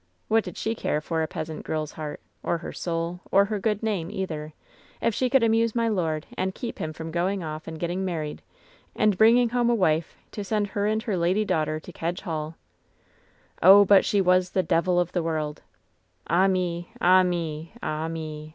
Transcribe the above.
What did she care for a peasant girl's heart, or her soul, or her good name, either, if she could amuse my lord and keep him from going off and getting married, and bring ing a wife home to send her and her lady daughter to Kedge Hall? "Oh, but she was the devil of the world I "Ah me ! ah me ! ah me